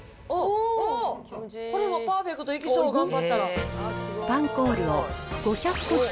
これもパーフェクトいきそう、頑張ったら。